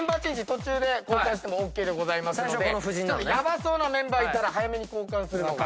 途中で交代してもＯＫですのでヤバそうなメンバーいたら早めに交換するのが。